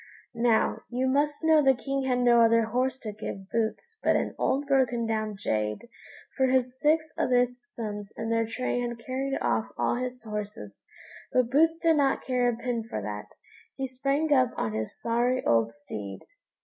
Now, you must know the King had no other horse to give Boots but an old broken down jade, for his six other sons and their train had carried off all his horses; but Boots did not care a pin for that, he sprang up on his sorry old steed.